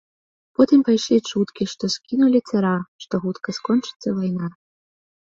Потым пайшлі чуткі, што скінулі цара, што хутка скончыцца вайна.